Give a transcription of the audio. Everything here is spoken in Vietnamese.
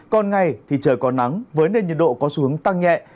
còn ngày thì trời có nắng với nền nhiệt độ có xu hướng tăng nhẹ